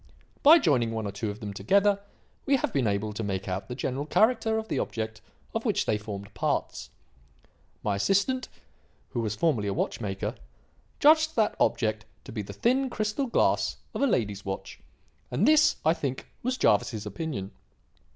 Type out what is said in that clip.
By joining one or two of them together, we have been able to make out the general character of the object of which they formed parts. My assistant who was formerly a watch maker judged that object to be the thin crystal glass of a lady's watch, and this, I think, was Jervis's opinion.